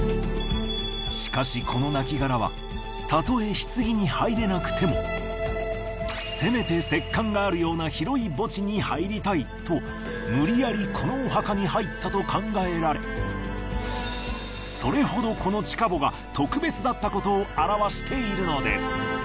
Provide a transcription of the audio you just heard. しかしこの亡骸はたとえ棺に入れなくてもせめて石棺があるような広い墓地に入りたいと無理やりこのお墓に入ったと考えられそれほどこの地下墓が特別だったことを表しているのです。